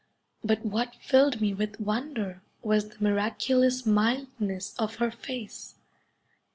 But what filled me with wonder was the miraculous mildness of her face.